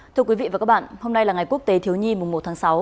thưa quý vị và các bạn hôm nay là ngày quốc tế thiếu nhi mùng một tháng sáu